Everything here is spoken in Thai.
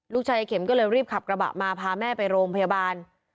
ยายเข็มก็เลยรีบขับกระบะมาพาแม่ไปโรงพยาบาล